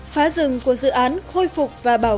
phá rừng của dự án khôi phục và bảo vệ